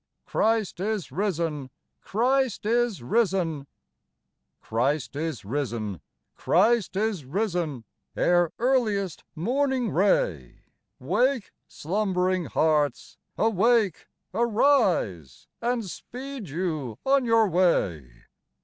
Christ is risen ! Christ is risen ! Christ is risen ! Christ is risen ! Ere earliest morning ray, Wake, slumbering hearts, awake ! arise ! And speed you on your way.